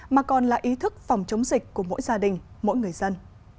mà còn là ý thức phòng chống dịch của mỗi gia đình mỗi người dân